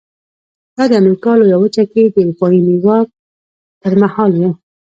دا د امریکا لویه وچه کې د اروپایي نیواک پر مهال و.